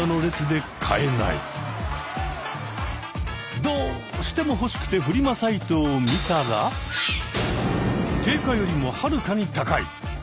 どうしても欲しくてフリマサイトを見たら定価よりもはるかに高い！